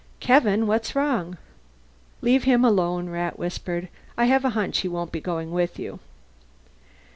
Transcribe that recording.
"Kevin! What's wrong?" "Leave him alone," Rat whispered. "I have a hunch he won't be going with you."